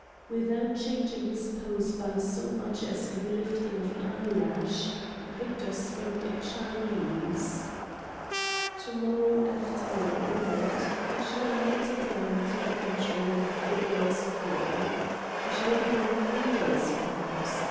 Without changing his pose by so much as the lifting of an eyelash, Victor spoke in Chinese: "To morrow afternoon, late, I shall motor down into the country with the girl Sofia. I shall be gone three days—perhaps.